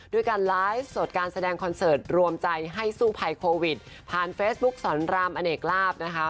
ด้วยการไลฟ์สดการแสดงคอนเสิร์ตรวมใจให้สู้ภัยโควิดผ่านเฟซบุ๊กสอนรามอเนกลาบนะคะ